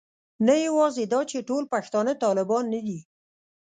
نه یوازې دا چې ټول پښتانه طالبان نه دي.